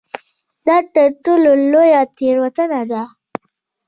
دا تر ټولو لویه تېروتنه ده.